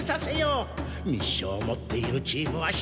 密書を持っているチームは１つだけ。